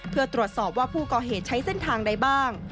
เพื่อตรวจสอบว่าผู้ก่อเหตุใช้เส้นทางใดบ้าง